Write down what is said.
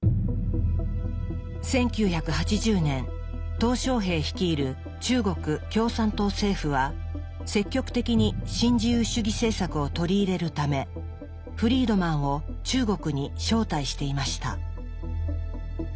１９８０年小平率いる中国共産党政府は積極的に新自由主義政策を取り入れるためフリードマンを中国に招待していました。